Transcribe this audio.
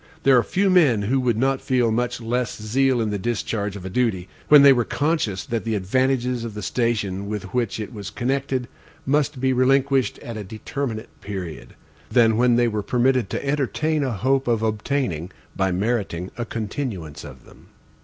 There are few men who would not feel much less zeal in the discharge of a duty when they were conscious that the advantages of the station with which it was connected must be relinquished at a determinate period, than when they were permitted to entertain a hope of obtaining, by meriting, a continuance of them.